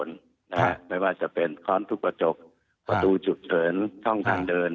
นะฮะไหมว่าจะเป็นค้อนพุทธประจกฮ่าประตูจุดเฉินช่องทางเดิน